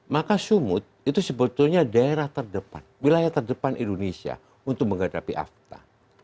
maka sumut itu sebetulnya daerah terdepan wilayah terdepan indonesia untuk menghadapi afta